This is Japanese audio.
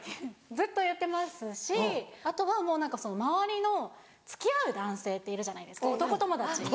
ずっと言ってますしあとは周りの付き合う男性っているじゃないですか男友達。